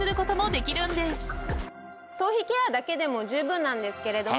頭皮ケアだけでも十分なんですけれども。